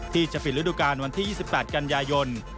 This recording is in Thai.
ที่จะปิดฤดูการวันที่๒๘กันยายน